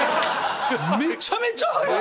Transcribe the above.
めちゃめちゃ速い！